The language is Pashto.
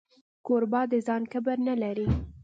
کوربه د ځان کبر نه لري.